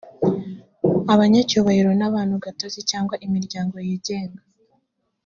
abanyacyubahiro n’abantu gatozi cyangwa imiryango yigenga